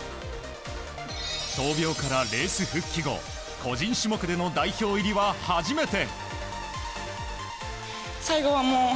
闘病からレース復帰後個人種目での代表入りは初めて。